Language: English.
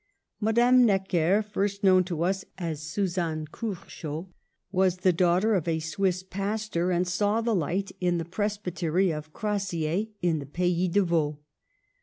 Madame Necker, first known to us as Suzanne Curchod, was the daughter of a Swiss pastor, and saw the light in the Presbytery of Crassier in the Pays de Vaud.